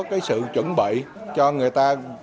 cái sự chuẩn bị cho người ta